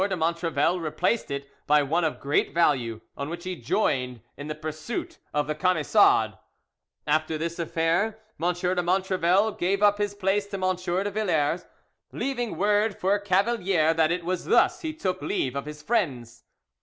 de Montrevel replaced it by one of great value, on which he joined in the pursuit of the Camisards. After this affair M. de Montrevel gave up his place to M. de Villars, leaving word for Cavalier that it was thus he took leave of his friends.